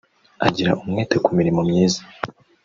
Agira umwete ku mirimo myiza